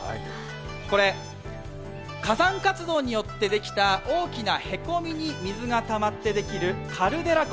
これ、火山活動によってできた大きなへこみに水がたまってできるカルデラ湖。